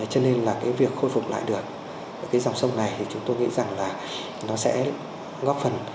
cho nên là cái việc khôi phục lại được cái dòng sông này thì chúng tôi nghĩ rằng là nó sẽ góp phần